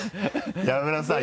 やめなさいよ。